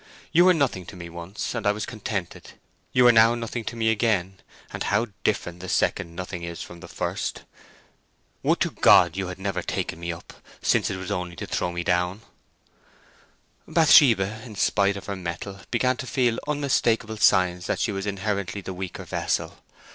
You were nothing to me once, and I was contented; you are now nothing to me again, and how different the second nothing is from the first! Would to God you had never taken me up, since it was only to throw me down!" Bathsheba, in spite of her mettle, began to feel unmistakable signs that she was inherently the weaker vessel.